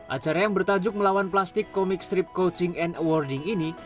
acara yang bertajuk melawan plastik comic strip coaching and awarding ini